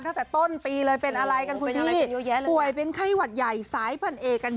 ตั้งแต่ต้นปีเลยเป็นอะไรกันคุณพี่ป่วยเป็นไข้หวัดใหญ่สายพันเอกกันเยอะ